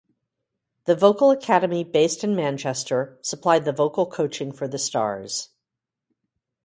The Vocal Academy based in Manchester supplied the vocal coaching for the stars.